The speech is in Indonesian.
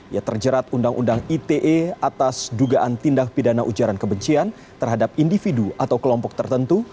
ia terjerat undang undang ite atas dugaan tindak pidana ujaran kebencian terhadap individu atau kelompok tertentu